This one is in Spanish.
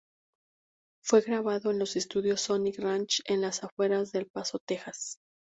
Fue grabado en los estudios Sonic Ranch en las afueras de El Paso, Texas.